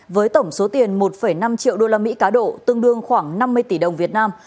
với tổng số tiền một năm triệu usd cá độ tương đương khoảng năm mươi tỷ đồng việt nam